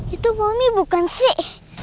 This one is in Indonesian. itu mami bukan sih